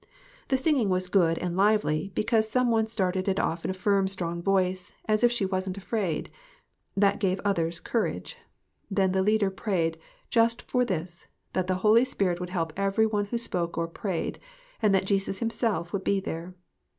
The singing was good and lively, because some one started it off in a firm, strong voice, as if she wasn't afraid. That gave others courage. Then the leader prayed just for this that the Holy Spirit would help every one who spoke or prayed ; and that Jesus himself would be there.